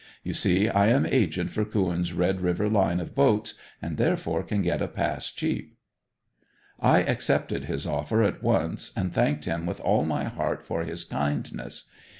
You see I am agent for Couens' Red River line of boats and, therefore, can get a pass cheap." I accepted his offer at once and thanked him with all my heart for his kindness.